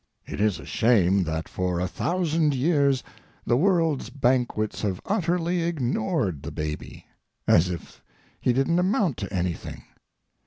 It is a shame that for a thousand years the world's banquets have utterly ignored the baby, as if he didn't amount to anything.